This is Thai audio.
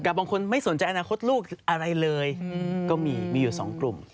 บางคนไม่สนใจอนาคตลูกอะไรเลยก็มีมีอยู่๒กลุ่ม